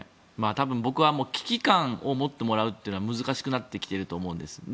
多分僕は危機感を持ってもらうというのは難しくなってきていると思うんです。